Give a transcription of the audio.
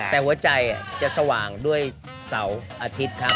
แต่หัวใจจะสว่างด้วยเสาร์อาทิตย์ครับ